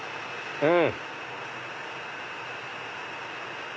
うん！